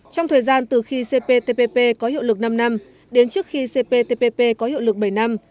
trong thời gian từ khi cptpp có hiệu lực năm năm đến trước khi cptpp có hiệu lực bảy năm